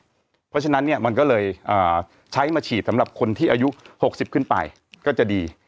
เพราะฉะนั้นเนี่ยมันก็เลยใช้มาฉีดสำหรับคนที่อายุ๖๐ขึ้นไปก็จะดี